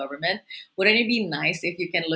tidak akan baik jika anda bisa melihat satu hal